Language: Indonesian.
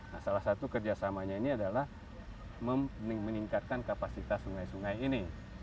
nah salah satu kerjasamanya ini adalah meningkatkan kapasitas sungai sungai ini